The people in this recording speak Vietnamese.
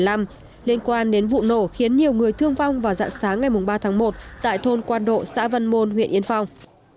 liên quan đến vụ nổ khiến nhiều người thương vong vào dặn sáng ngày ba một tại thôn quan độ xã văn môn huyện yên phong